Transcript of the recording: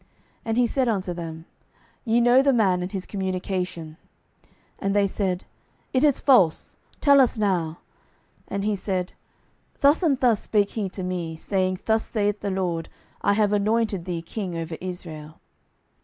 And he said unto them, Ye know the man, and his communication. 12:009:012 And they said, It is false; tell us now. And he said, Thus and thus spake he to me, saying, Thus saith the LORD, I have anointed thee king over Israel.